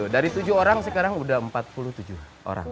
dari tujuh orang sekarang sudah empat puluh tujuh orang